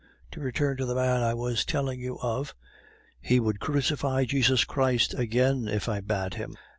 To return to the man I was telling you of. He would crucify Jesus Christ again, if I bade him.